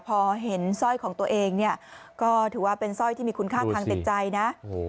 พอเห็นสร้อยของตัวเองเนี่ยก็ถือว่าเป็นสร้อยที่มีคุณค่าทางติดใจนะโอ้โห